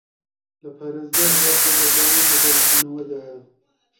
لە پارێزگای هەڵەبجە بەردەوام لە بەرزبوونەوەدایە